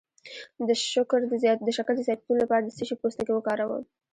د شکر د زیاتیدو لپاره د څه شي پوستکی وکاروم؟